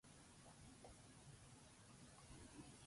However, Tomba gets involved in an accident on the boat's maiden voyage.